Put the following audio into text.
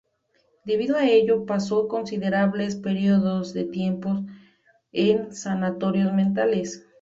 Debido a ello, pasó considerables períodos de tiempo en sanatorios mentales.